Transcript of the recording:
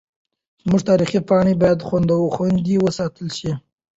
زموږ تاریخي پاڼې باید خوندي وساتل سي.